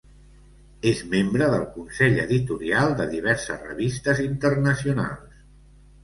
És membre del consell editorial de diverses revistes internacionals.